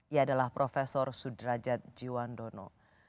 ia adalah prof sudrajat jiwandono